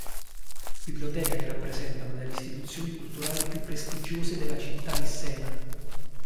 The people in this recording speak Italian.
Biblioteca che rappresenta una delle istituzioni culturali più prestigiose della città nissena.